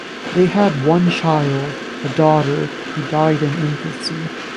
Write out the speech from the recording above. They had one child, a daughter, who died in infancy.